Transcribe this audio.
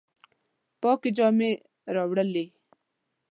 پاکي جامي وروړلي